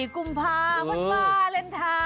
กุมภาวันวาเลนไทย